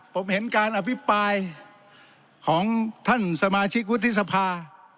ผมเห็นการอภิปรายของท่านสมาชิกวุฒิสภา